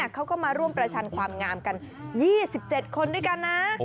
เขาก็มาร่วมประชันความงามกัน๒๗คนด้วยกันนะ